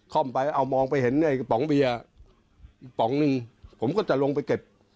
เข้ามาไปเอามองไปเห็นเนี้ยป๋องเบียร์ป๋องหนึ่งผมก็จะลงไปเก็บ